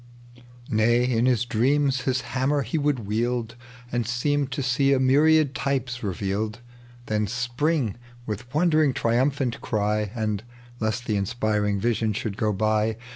Nay, in his dreams his hammer he would wield And seem to see a myriad tj^es revealed, Then spring with wondering triumphant ery, And, lest the inspiring vision should go by.